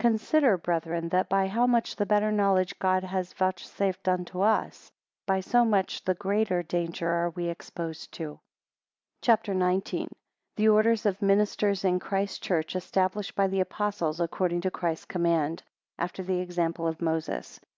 22 Consider, brethren, that by how much the better knowledge God has vouchsafed unto us, by so much the greater danger are we exposed to. CHAPTER XIX. The orders of Ministers in Christ's Church established by the Apostles, according to Christ's command, 7 after the example of Moses.